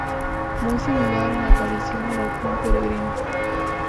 Muy similar en apariencia al halcón peregrino.